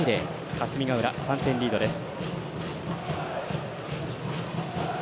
霞ヶ浦、３点リードです。